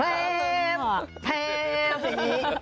เผ็บเผ็บ